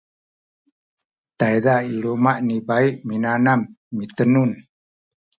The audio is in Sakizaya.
tayza i luma’ ni bai minanam mitenun